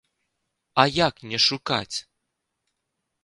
А як не шукаць?